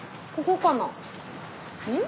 うん？